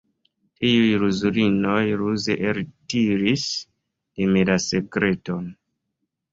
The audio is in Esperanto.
Tiuj ruzulinoj ruze eltiris de mi la sekreton.